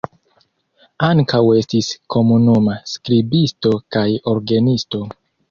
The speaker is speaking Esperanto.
Ankaŭ estis komunuma skribisto kaj orgenisto.